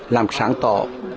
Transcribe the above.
làm sáng tỏ